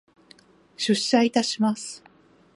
出社いたします。